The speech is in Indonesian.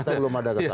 kita belum ada kesana